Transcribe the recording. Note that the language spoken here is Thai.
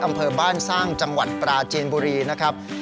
อำเภอบ้านสร้างจังหวัดปราจีนบุรีนะครับ